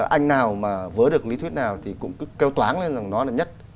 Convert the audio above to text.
anh nào mà với được lý thuyết nào thì cũng cứ kêu toán lên rằng nó là nhất